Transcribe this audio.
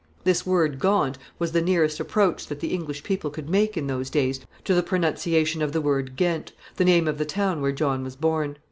This word Gaunt was the nearest approach that the English people could make in those days to the pronunciation of the word Ghent, the name of the town where John was born.